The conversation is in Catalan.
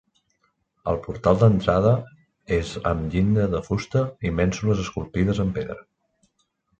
El portal d'entrada és amb llinda de fusta i mènsules esculpides en pedra.